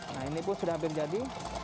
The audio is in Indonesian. nah ini pun sudah hampir jadi